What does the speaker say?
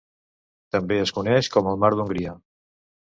També es coneix com el mar d'Hongria.